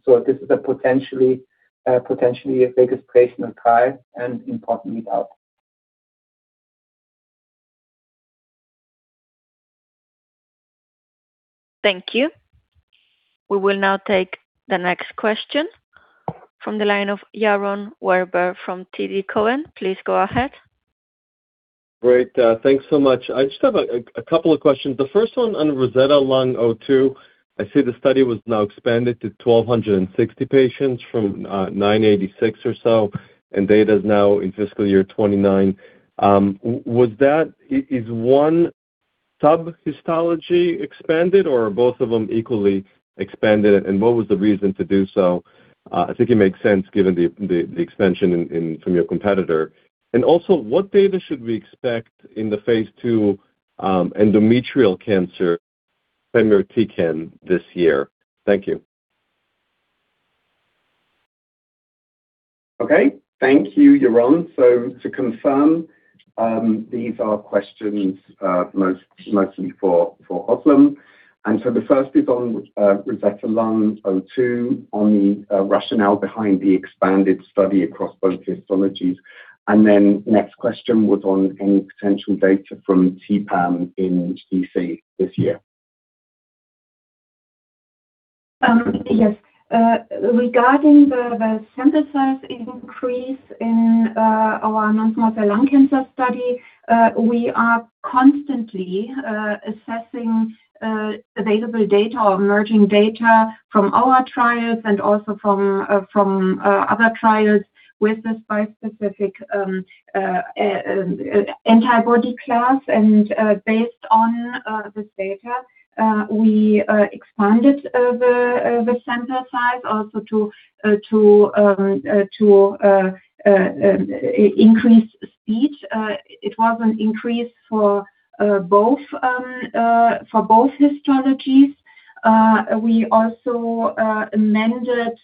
so this is a potentially a registrational trial and important result. Thank you. We will now take the next question from the line of Yaron Werber from TD Cowen. Please go ahead. Great. Thanks so much. I just have a couple of questions. The first one on ROSETTA Lung-02. I see the study was now expanded to 1,260 patients from 986 or so, and data is now in fiscal year 2029. Was that one subhistology expanded or are both of them equally expanded, and what was the reason to do so? I think it makes sense given the expansion from your competitor. Also, what data should we expect in the phase II endometrial cancer fam deruxtecan this year? Thank you. Okay. Thank you, Yaron. To confirm, these are questions, mostly for Özlem. The first is on ROSETTA Lung-02 on the rationale behind the expanded study across both histologies. Next question was on any potential data from T-Pam in 2Q this year. Yes. Regarding the sample size increase in our non-small cell lung cancer study, we are constantly assessing available data or emerging data from our trials and also from other trials with this bispecific antibody class. Based on this data, we expanded the sample size also to increase speed. It was an increase for both histologies. We also amended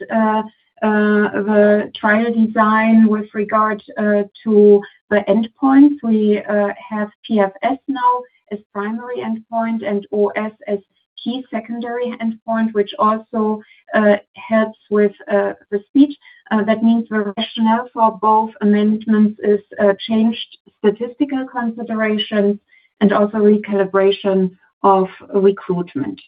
the trial design with regard to the endpoints. We have PFS now as primary endpoint and OS as key secondary endpoint, which also helps with the speed. That means the rationale for both amendments is changed statistical consideration and also recalibration of recruitment.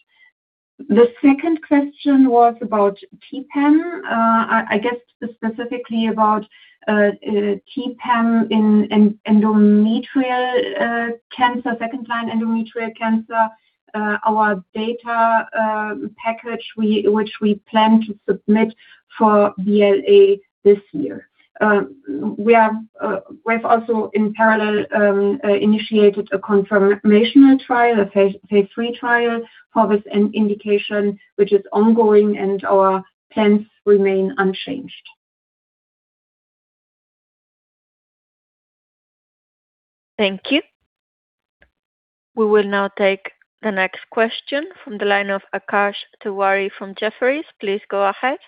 The second question was about T-Pam. I guess specifically about T-Pam in endometrial cancer, second line endometrial cancer. Our data package, which we plan to submit for BLA this year. We have also in parallel initiated a confirmatory trial, a phase III trial for this indication, which is ongoing and our plans remain unchanged. Thank you. We will now take the next question from the line of Akash Tewari from Jefferies. Please go ahead.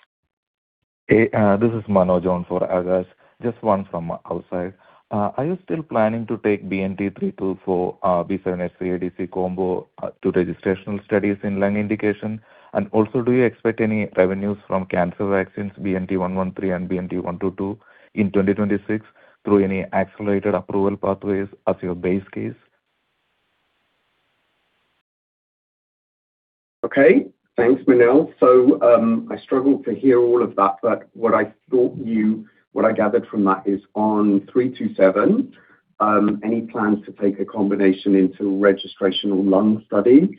Hey, this is Manoj on for Akash. Just one from outside. Are you still planning to take BNT324, BNT327 combo, to registrational studies in lung indication? Also, do you expect any revenues from cancer vaccines, BNT113 and BNT122 in 2026 through any accelerated approval pathways as your base case? Okay. Thanks, Manoj. I struggled to hear all of that, but what I gathered from that is on BNT327, any plans to take a combination into registrational lung study?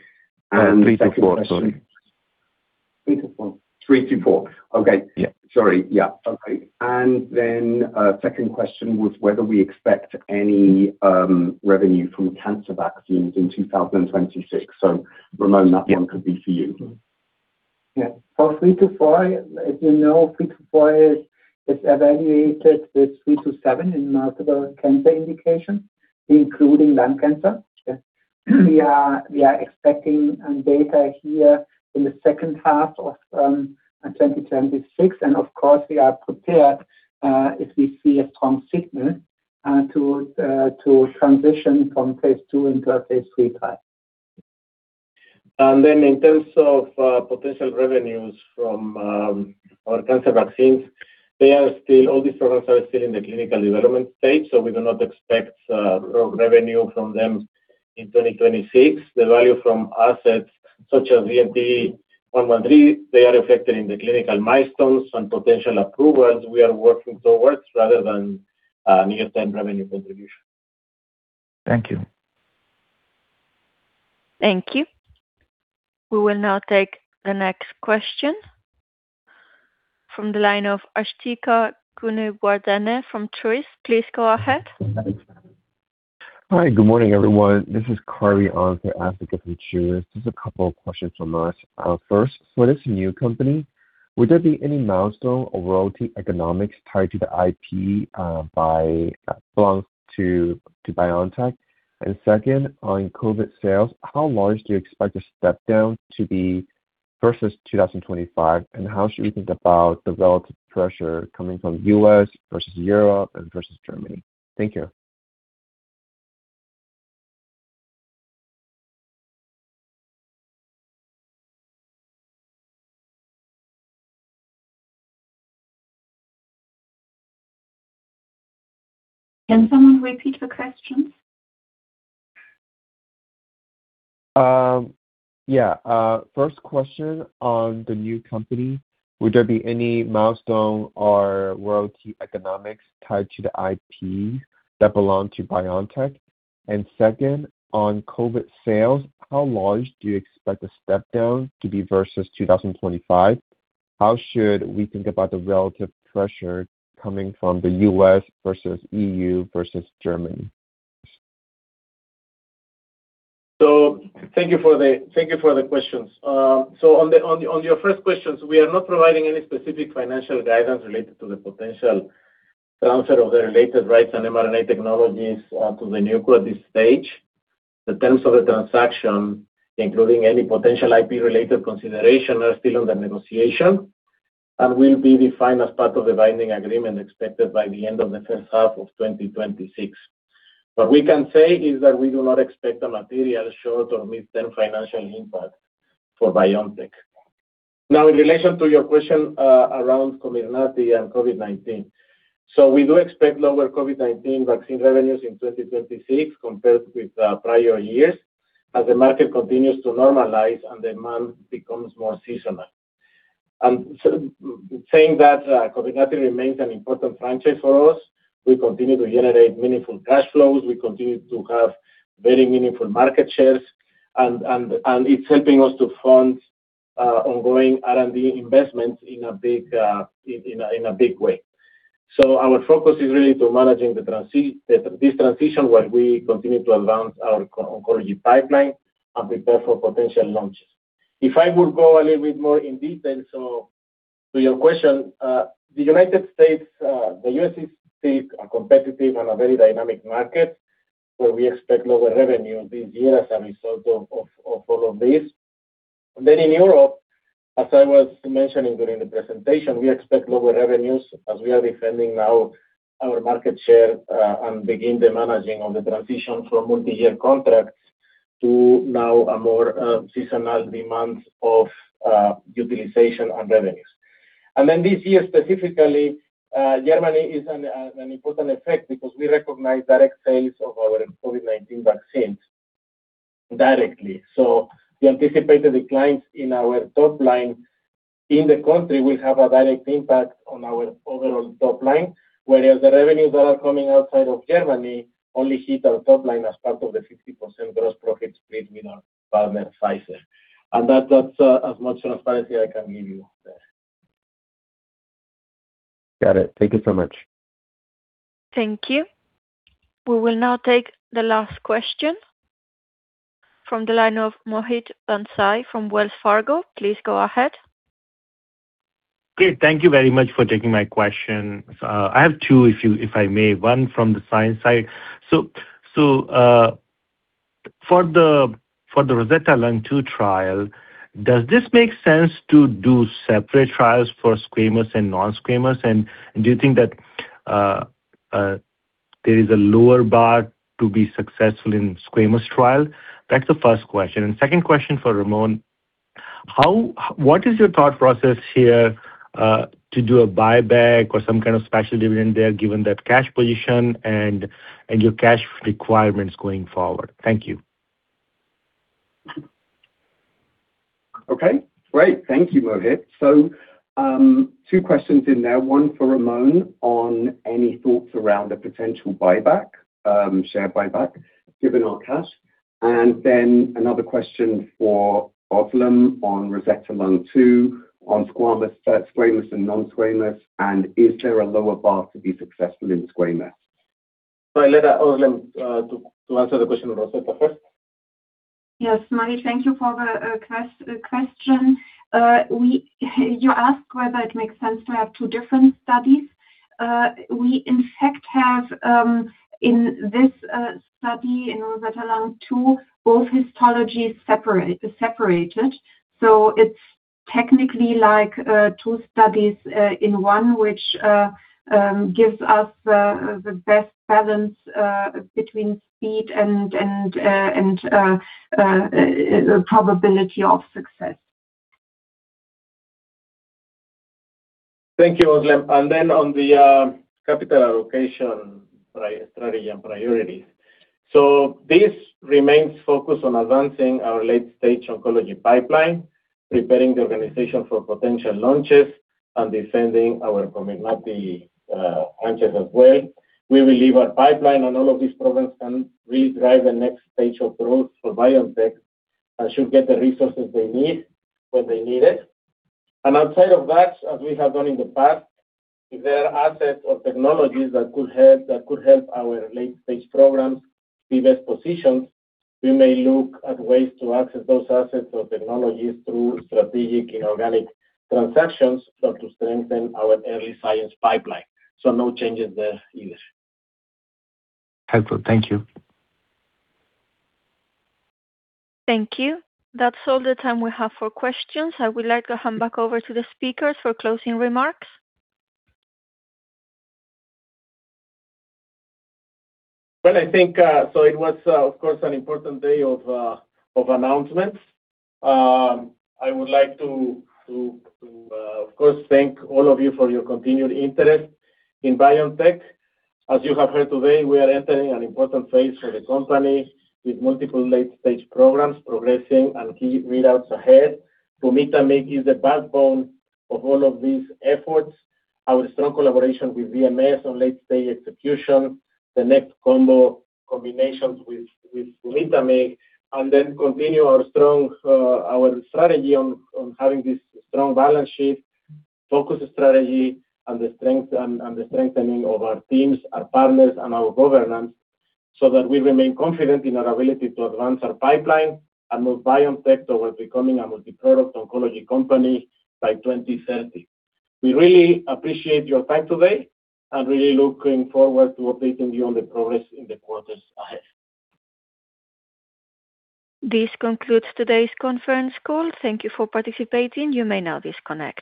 Second question- 324, sorry. 324. Okay. Yeah. Sorry. Yeah. Okay. Second question was whether we expect any revenue from cancer vaccines in 2026. Ramon, that one could be for you. Yeah. For BNT324, as you know, BNT324 is evaluated with BNT327 in multiple cancer indications, including lung cancer. Sure. We are expecting data here in the second half of 2026, and of course we are prepared if we see a strong signal to transition from phase II into a phase III trial. In terms of potential revenues from our cancer vaccines, all these products are still in the clinical development stage, so we do not expect revenue from them in 2026. The value from assets such as BNT113, they are reflected in the clinical milestones and potential approvals we are working towards rather than near-term revenue contribution. Thank you. Thank you. We will now take the next question from the line of Asthika Goonewardene from Truist. Please go ahead. Hi. Good morning, everyone. This is Kari from Asthika Goonewardene. Just a couple of questions from us. First, for this new company, would there be any milestone or royalty economics tied to the IP that belongs to BioNTech? Second, on COVID sales, how large do you expect the step down to be versus 2025, and how should we think about the relative pressure coming from U.S. versus Europe and versus Germany? Thank you. Can someone repeat the question? First question on the new company, would there be any milestone or royalty economics tied to the IP that belong to BioNTech? Second, on COVID sales, how large do you expect the step down to be versus 2025? How should we think about the relative pressure coming from the U.S. versus EU versus Germany? Thank you for the questions. On your first questions, we are not providing any specific financial guidance related to the potential transfer of the related rights and mRNA technologies to the NewCo at this stage. The terms of the transaction, including any potential IP related consideration, are still under negotiation and will be defined as part of the binding agreement expected by the end of the first half of 2026. What we can say is that we do not expect a material short or midterm financial impact for BioNTech. Now, in relation to your question around COMIRNATY and COVID-19. We do expect lower COVID-19 vaccine revenues in 2026 compared with prior years as the market continues to normalize and demand becomes more seasonal. Saying that, COMIRNATY remains an important franchise for us. We continue to generate meaningful cash flows. We continue to have very meaningful market shares and it's helping us to fund ongoing R&D investments in a big way. Our focus is really on managing this transition while we continue to advance our oncology pipeline and prepare for potential launches. If I would go a little bit more in detail, to your question, the United States, the U.S. is a competitive and a very dynamic market where we expect lower revenue this year as a result of all of this. In Europe, as I was mentioning during the presentation, we expect lower revenues as we are defending now our market share, and begin the managing of the transition from multi-year contract to now a more, seasonal demand of, utilization and revenues. This year specifically, Germany is an important effect because we recognize direct sales of our COVID-19 vaccines directly. The anticipated declines in our top line in the country will have a direct impact on our overall top line, whereas the revenues that are coming outside of Germany only hit our top line as part of the 50% gross profit split with our partner, Pfizer. That's as much transparency I can give you there. Got it. Thank you so much. Thank you. We will now take the last question from the line of Mohit Bansal from Wells Fargo. Please go ahead. Great. Thank you very much for taking my question. I have two, if I may, one from the science side. For the ROSETTA Lung-02 trial, does this make sense to do separate trials for squamous and non-squamous? Do you think that there is a lower bar to be successful in squamous trial? That's the first question. Second question for Ramón, what is your thought process here to do a buyback or some kind of special dividend there, given that cash position and your cash requirements going forward? Thank you. Thank you, Mohit. Two questions in there. One for Ramón on any thoughts around a potential buyback, share buyback given our cash. Another question for Özlem on ROSETTA Lung-02 on squamous and non-squamous, and is there a lower bar to be successful in squamous? I let Özlem to answer the question also first. Yes, Mohit, thank you for the question. You ask whether it makes sense to have two different studies. We in fact have in this study in ROSETTA Lung-02 both histologies separated. It's technically like two studies in one, which gives us the best balance between speed and probability of success. Thank you, Özlem. On the capital allocation priority strategy and priorities, this remains focused on advancing our late-stage oncology pipeline, preparing the organization for potential launches, and defending our COMIRNATY launches as well. We believe our pipeline on all of these programs can really drive the next stage of growth for BioNTech and should get the resources they need when they need it. Outside of that, as we have done in the past, if there are assets or technologies that could help our late-stage programs be best positioned, we may look at ways to access those assets or technologies through strategic inorganic transactions so as to strengthen our early science pipeline. No changes there either. Helpful. Thank you. Thank you. That's all the time we have for questions. I would like to hand back over to the speakers for closing remarks. Well, I think it was, of course, an important day of announcements. I would like to, of course, thank all of you for your continued interest in BioNTech. As you have heard today, we are entering an important phase for the company with multiple late-stage programs progressing and key readouts ahead. pumitamig is the backbone of all of these efforts. Our strong collaboration with BMS on late-stage execution, the next combo combinations with pumitamig, and then continue our strong strategy on having this strong balance sheet, focused strategy, and the strength and the strengthening of our teams, our partners, and our governance, so that we remain confident in our ability to advance our pipeline and move BioNTech towards becoming a multi-product oncology company by 2030. We really appreciate your time today and really looking forward to updating you on the progress in the quarters ahead. This concludes today's conference call. Thank you for participating. You may now disconnect.